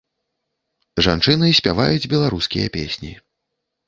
Жанчыны спяваюць беларускія песні.